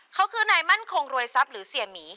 เขาคือนายมั่นคงรวยทรัพย์หรือเสียหมี